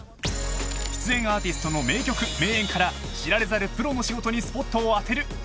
［出演アーティストの名曲名演から知られざるプロの仕事にスポットを当てる。